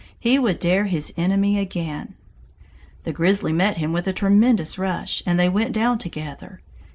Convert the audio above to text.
He would dare his enemy again! The grizzly met him with a tremendous rush, and they went down together.